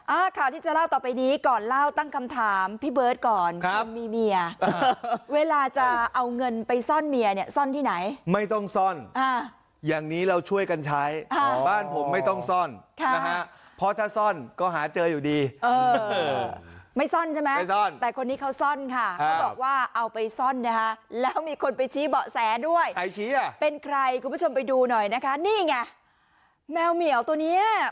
อ่าข่าวที่จะเล่าต่อไปนี้ก่อนเล่าตั้งคำถามพี่เบิร์ตก่อนครับมีเมียเวลาจะเอาเงินไปซ่อนเมียเนี่ยซ่อนที่ไหนไม่ต้องซ่อนอ่าอย่างนี้เราช่วยกันใช้อ่าบ้านผมไม่ต้องซ่อนค่ะนะฮะเพราะถ้าซ่อนก็หาเจออยู่ดีเออไม่ซ่อนใช่ไหมไม่ซ่อนแต่คนนี้เขาซ่อนค่ะเขาบอกว่าเอาไปซ่อนนะคะแล้วมีคนไปชี้เบาะแสด้วยใครชี้อ่ะเป็นใครคุณผู้ชมไปดูหน่อยนะคะนี่ไงแมวเหมียวตัวเนี้ย